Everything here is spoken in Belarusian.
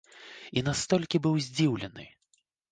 І настолькі быў здзіўлены!